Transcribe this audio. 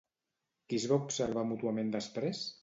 Qui es va observar mútuament després?